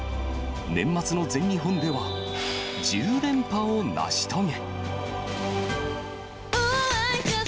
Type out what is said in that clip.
年末の全日本では、１０連覇を成し遂げ。